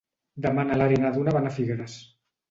Demà na Lara i na Duna van a Figueres.